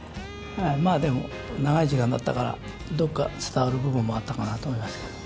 まあでも長い時間だったからどっか伝わる部分もあったかなと思いますけど。